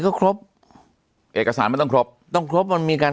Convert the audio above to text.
ก็ครบเอกสารมันต้องครบต้องครบมันมีการ